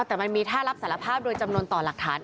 แต่มันมีท่ารับสารภาพโดยจำนวนต่อหลักฐาน